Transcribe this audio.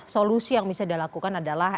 solusi yang bisa dilakukan adalah